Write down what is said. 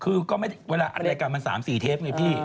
คือก็ไม่ได้ในรายการมัน๓๔เทปเลยนี่พี่